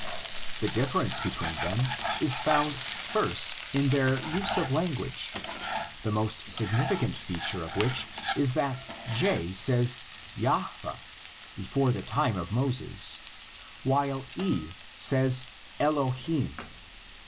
The difference between them is found first in their use of language, the most significant feature of which is that J says Jahveh before the time of Moses, while E says Elohim.